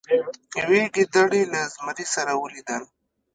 یوې ګیدړې له زمري سره ولیدل.